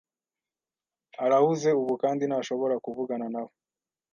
Arahuze ubu kandi ntashobora kuvugana nawe